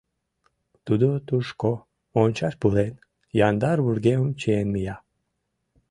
Тудо тушко, мончаш пурен, яндар вургемым чиен мия.